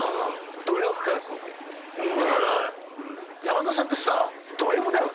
山田さんってさ。